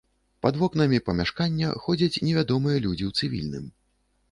Пад вокнамі памяшкання ходзяць невядомыя людзі ў цывільным.